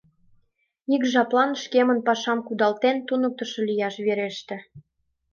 Ик жаплан шкемын пашам кудалтен, туныктышо лияш вереште.